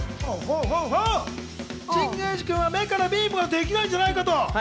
神宮寺君は目からビームができないんじゃないかと。